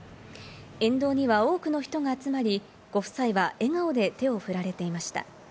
沿道には多くの人が集まり、ご夫妻は笑顔で手を振られていました。